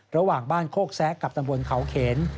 ระหว่างบ้านโคกแซะกับตำบลเขาเขน